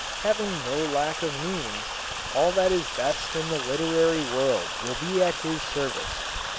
Having no lack of means, all that is best in the literary world will be at his service.